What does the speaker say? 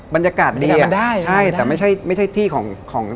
บรรยากาศดีอะใช่แต่ไม่ใช่ที่ของ